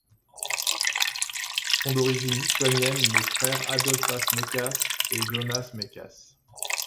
Sont d'origine lituanienne les frères Adolfas Mekas et Jonas Mekas.